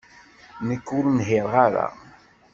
Nekk ur nhiṛeɣ ara.